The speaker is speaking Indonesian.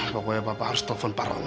pokoknya bapak harus telfon pak roma